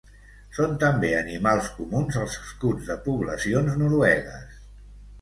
Són també animals comuns als escuts de poblacions noruegues.